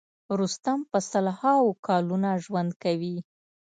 رستم په سل هاوو کلونه ژوند کوي.